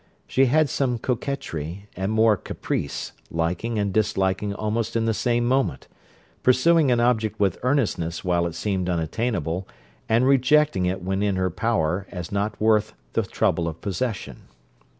She had some coquetry, and more caprice, liking and disliking almost in the same moment; pursuing an object with earnestness while it seemed unattainable, and rejecting it when in her power as not worth the trouble of possession.